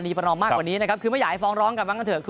มีประนอมมากกว่านี้นะครับคือไม่อยากให้ฟ้องร้องกันบ้างก็เถอะ